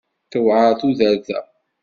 Tewɛer tudert-a.